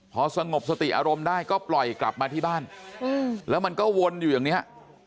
พอสงบสติอารมณ์ได้ก็ปล่อยกลับมาที่บ้านแล้วมันก็วนอยู่อย่างนี้